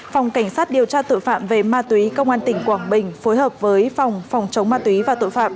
phòng cảnh sát điều tra tội phạm về ma túy công an tỉnh quảng bình phối hợp với phòng phòng chống ma túy và tội phạm